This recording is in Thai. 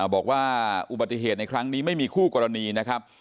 บอกว่าอุบัติเหตุในครั้งนี้ไม่มีคู่กรณีนะครับ